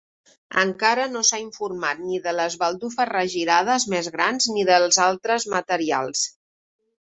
Encara no s'ha informat ni de les baldufes regirades més grans ni dels altres materials.